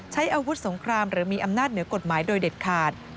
ใช้อาวุธสงครามหรือมีอำนาจเหนือกฎหมายโดยเด็ดขาด